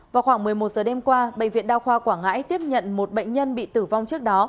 vào khoảng một mươi một giờ đêm qua bệnh viện đa khoa quảng ngãi tiếp nhận một bệnh nhân bị tử vong trước đó